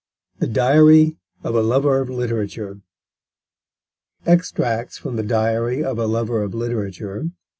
THE DIARY OF A LOVER OF LITERATURE EXTRACTS FROM THE DIARY OF A LOVER OF LITERATURE.